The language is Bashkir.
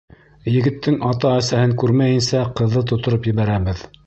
Егеттең ата-әсәһен күрмәйенсә ҡыҙҙы тоттороп ебәрәбеҙ!